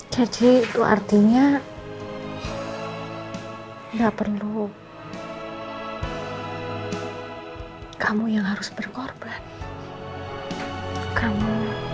jadi itu artinya enggak perlu kamu yang harus berkorban kamu